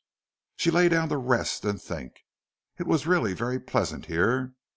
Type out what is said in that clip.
She lay down to rest and think. It was really very pleasant here.